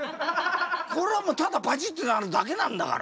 これはもうただバチッてなるだけなんだから。